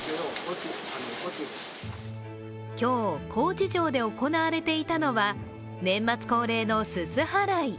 今日、高知城で行われていたのは年末恒例のすす払い。